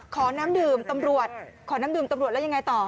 ขอน้ำดื่มตำรวจแล้วยังไงต่อ